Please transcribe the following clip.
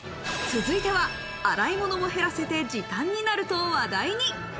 続いては洗い物も減らせて、時短になると話題に。